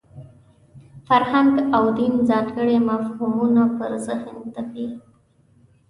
فرهنګ او دین ځانګړي مفهومونه پر ذهن تپي.